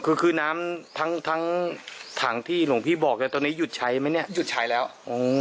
คือคือน้ำทั้งทั้งถังที่หลวงพี่บอกเลยตอนนี้หยุดใช้ไหมเนี้ยหยุดใช้แล้วอ๋อ